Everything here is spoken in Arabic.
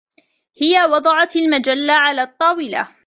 هىَ وضعت المجلة علىَ الطاولة.